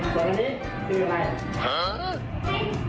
สัมภัณฑ์